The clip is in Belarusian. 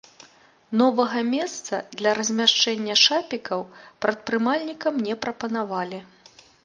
Новага месца для размяшчэння шапікаў прадпрымальнікам не прапанавалі.